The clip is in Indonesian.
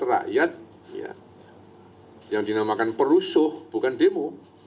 rakyat yang dinamakan perusuh bukan demo